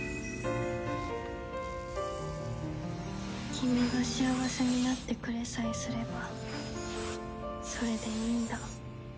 「君が幸せになってくれさえすればそれでいいんだ」